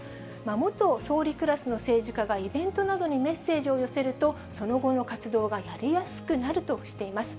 元総理クラスの政治家がイベントなどにメッセージを寄せると、その後の活動がやりやすくなるとしています。